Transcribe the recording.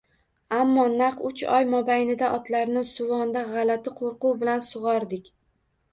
Ammo naq uch oy mobaynida otlarni suvdonda g`alati qo`rquv bilan sug`ordik